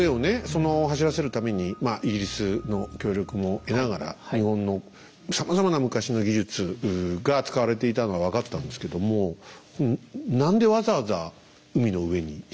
その走らせるためにイギリスの協力も得ながら日本のさまざまな昔の技術が使われていたのは分かったんですけどもそこですよね。